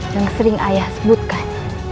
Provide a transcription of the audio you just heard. yang sering ayah sebutkan